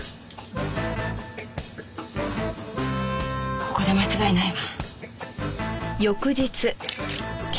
ここで間違いないわ。